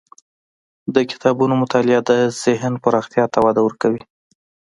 د کتابونو مطالعه د ذهن پراختیا ته وده ورکوي.